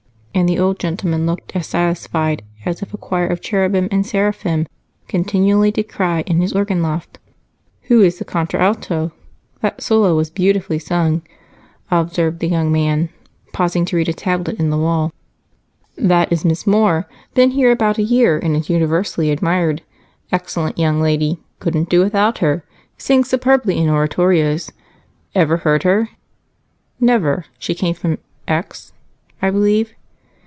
And the old gentleman looked as satisfied as if a choir of cherubim and seraphim "continually did cry" in his organ loft. "Who is the contralto? That solo was beautifully sung," observed the younger man, pausing to read a tablet on the wall. "That is Miss Moore. Been here about a year, and is universally admired. Excellent young lady couldn't do without her. Sings superbly in oratorios. Ever heard her?" "Never. She came from X, I believe?